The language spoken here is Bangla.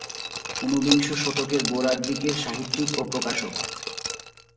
ঊনবিংশ শতকের গোড়ার দিকের সাহিত্যিক ও প্রকাশক।